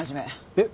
えっ？